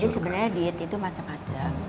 jadi sebenarnya diet itu macam macam